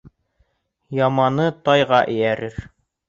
Яманы тайға эйәрер.